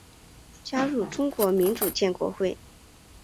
加入中国民主建国会。